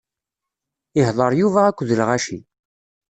Ihḍeṛ Yuba akked lɣaci.